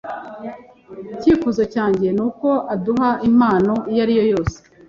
Icyifuzo cyanjye nuko udaha impano iyo ari yo yose.